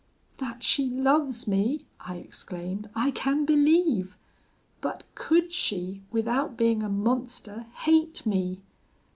"'That she loves me,' I exclaimed, 'I can believe; but could she, without being a monster, hate me?